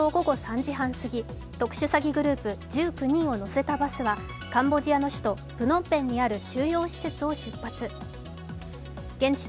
日本時間昨日午後３時半過ぎ、特殊詐欺グループの１９人を乗せたバスはカンボジアの首都・プノンプペンにある収容施設を出発。